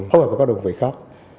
phối hợp với các đồng vị khác